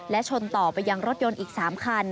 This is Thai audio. และชนต่อไปยังรถยนต์อีก๓คัน